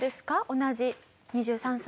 同じ２３歳。